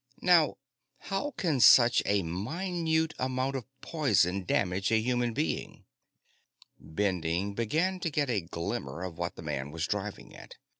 Now, how can such a minute amount of poison damage a human being?" Bending began to get a glimmer of what the man was driving at.